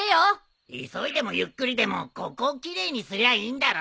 急いでもゆっくりでもここを奇麗にすりゃいいんだろ？